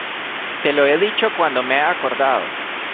te lo he dicho cuando me he acordado.